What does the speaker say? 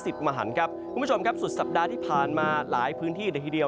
สิธมาหันครับปูชมครับสุดสัปดาห์ที่ผ่านมาหลายพื้นที่ได้ทีเดียว